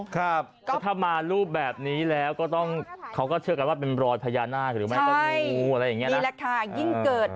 ถ้ามารูปแบบนี้แล้วก็ต้องเขาก็เชื่อกันว่าเป็นรอยพญานาคหรือไม่